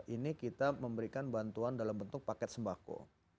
ini kita memberikan bantuan dalam bentuk paket sembako